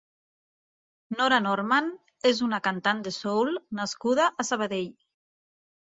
Nora Norman és una cantant de soul nascuda a Sabadell.